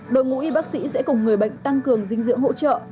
đội ngũ y bác sĩ sẽ cùng người bệnh tăng cường dinh dưỡng hỗ trợ